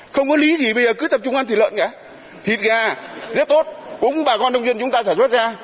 không có lý gì bây giờ cứ tập trung ăn thịt lợn cả thịt gà rất tốt cũng bà con nông dân chúng ta sản xuất ra